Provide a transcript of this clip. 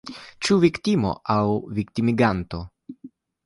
Ĉu viktimo – aŭ viktimiganto?